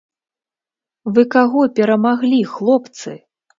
Вы каго перамаглі, хлопцы?!